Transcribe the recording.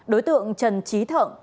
đối tượng trần trí thận